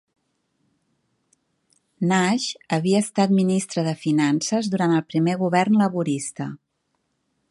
Nash havia estat ministre de Finances durant el primer govern laborista.